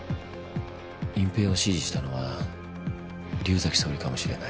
隠蔽を指示したのは竜崎総理かもしれない。